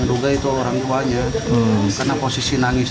di keren saya kan ke polres